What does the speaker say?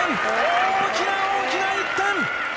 大きな大きな１点！